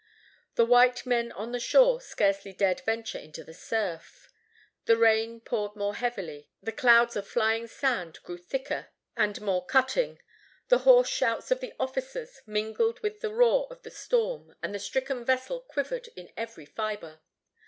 The white men on shore scarcely dared venture into the surf. The rain poured more heavily. The clouds of flying sand grew thicker and more [Illustration: SAMOANS SAVING THE LIVES OF AMERICAN SAILORS.] cutting. The hoarse shouts of the officers mingled with the roar of the storm, and the stricken vessel quivered in every fibre.